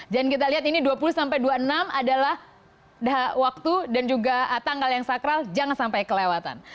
dan kita lihat ini dua puluh sampai dua puluh enam adalah waktu dan juga tanggal yang sakral jangan sampai kelewatan